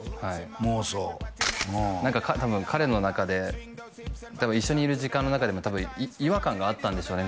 妄想うん何か多分彼の中で多分一緒にいる時間の中でも違和感があったんでしょうね